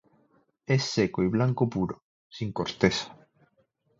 Es seco y blanco puro, sin corteza.